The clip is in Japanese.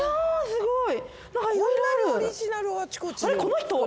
すごい。